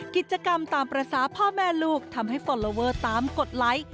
กิจกรรมตามภาษาพ่อแม่ลูกทำให้ฟอลลอเวอร์ตามกดไลค์